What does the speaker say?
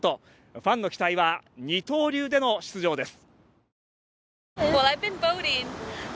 ファンの期待は二刀流での出場です。